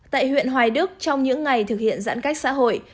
tại huyện hoài đức trong những ngày thực hiện giãn cách xã hội